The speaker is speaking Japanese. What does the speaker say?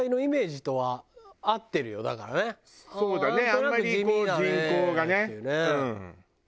あんまり人口がね。